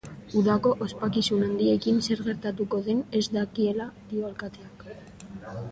Udako ospakizun handiekin zer gertatuko den ez dakiela dio alkateak.